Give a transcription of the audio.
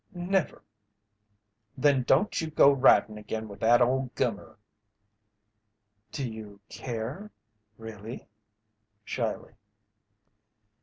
"Never." "Then don't you go ridin' again with that old gummer." "Do you care, really?" shyly.